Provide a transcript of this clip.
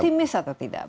otimis atau tidak